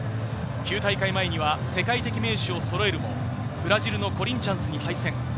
９大会前には世界的名手をそろえるも、ブラジルのコリンチャンスに敗戦。